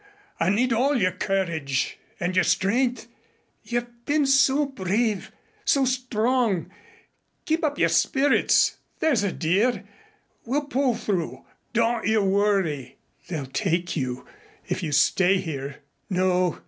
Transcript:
I need all your courage and your strength. You've been so brave so strong. Keep up your spirits, there's a dear. We'll pull through, don't you worry." "They'll take you if you stay here." "No.